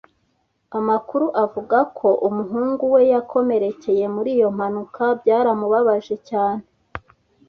Amakuru avuga ko umuhungu we yakomerekeye muri iyo mpanuka byaramubabaje cyane.